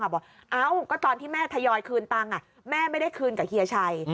บอกเอ้าก็ตอนที่แม่ทยอยคืนตังค์แม่ไม่ได้คืนกับเฮียชัย